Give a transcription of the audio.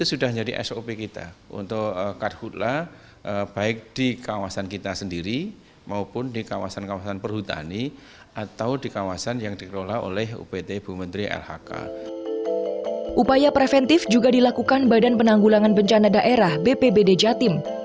upaya preventif juga dilakukan badan penanggulangan bencana daerah bpbd jatim